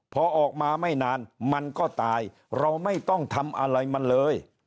พอออกมาไม่นานมันก็ตายเราไม่ต้องทำอะไรมันเลย